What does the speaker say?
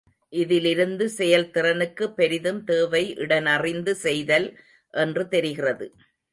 இதிலிருந்து செயல்திறனுக்கு பெரிதும் தேவை இடனறிந்து செய்தல் என்று தெரிகிறது.